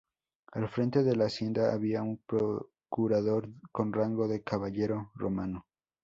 Al frente de la hacienda había un procurador con rango de Caballero romano.